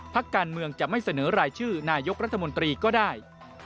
พักการเมืองจะไม่เสนอรายชื่อนายกรัฐมนตรีก็ได้